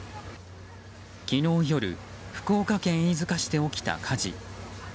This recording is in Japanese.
昨日夜福岡県飯塚市で起きた火事。